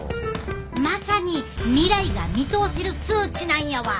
まさに未来が見通せる数値なんやわ。